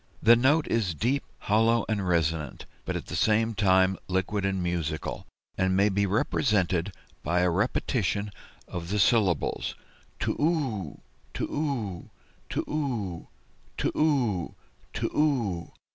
The note is deep, hollow, and resonant, but at the same time liquid and musical, and may be represented by a repetition of the syllables too u, too u, too u, too u, too u."